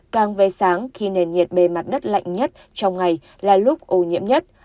càng về sáng khi nền nhiệt bề mặt đất lạnh nhất trong ngày là lúc ô nhiễm nhất